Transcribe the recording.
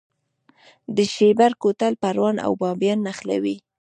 د شیبر کوتل پروان او بامیان نښلوي